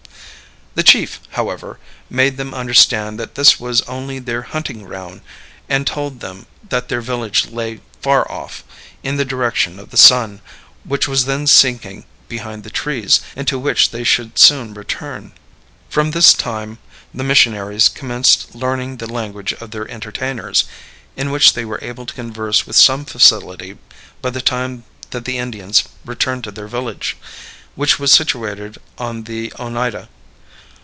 The chief, however, made them understand that this was only their hunting ground, and told them that their village lay far off, in the direction of the sun, which was then sinking behind the trees, and to which they should soon return. From this time the missionaries commenced learning the language of their entertainers, in which they were able to converse with some facility by the time that the Indians returned to their village, which was situated on the Oneida.